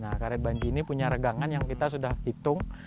nah karet banji ini punya regangan yang kita sudah hitung